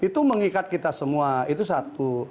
itu mengikat kita semua itu satu